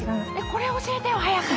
これ教えてよ早く。